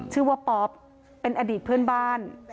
ชื่อว่าป๊อปเป็นอดีตเพื่อนบ้าน